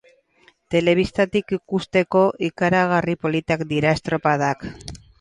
Telebistatik ikusteko, ikaragarri politak dira estropadak.